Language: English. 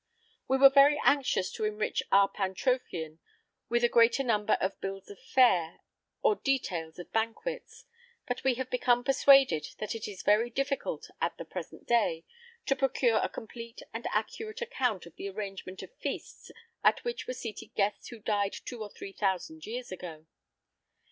We were very anxious to enrich our "PANTROPHEON" with a greater number of Bills of Fare, or details of banquets; but we have become persuaded that it is very difficult, at the present day, to procure a complete and accurate account of the arrangement of feasts at which were seated guests who died two or three thousand years ago.